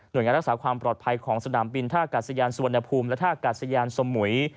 โดยงานรักษาความปลอดภัยของสนามบินท่ากาศยานสุวรรณภูมิและท่ากาศยานสมุย